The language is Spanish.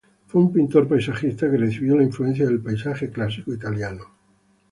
Fue un pintor paisajista que recibió la influencia del paisaje clásico italiano.